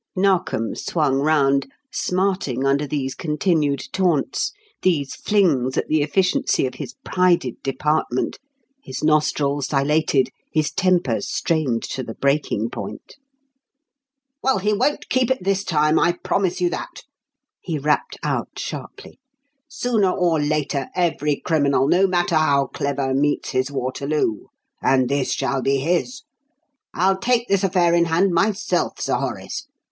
Narkom swung round, smarting under these continued taunts, these "flings" at the efficiency of his prided department, his nostrils dilated, his temper strained to the breaking point. "Well, he won't keep it this time I promise you that!" he rapped out sharply. "Sooner or later every criminal, no matter how clever, meets his Waterloo and this shall be his! I'll take this affair in hand myself, Sir Horace.